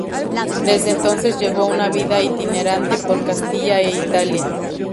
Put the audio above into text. Desde entonces llevó una vida itinerante por Castilla e Italia.